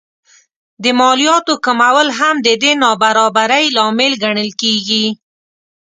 د مالیاتو کمول هم د دې نابرابرۍ لامل ګڼل کېږي